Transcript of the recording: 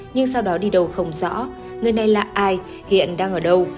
nhưng sau đó đi đâu không rõ người này là ai hiện đang ở đâu